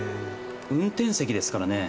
運転席ですからねえ。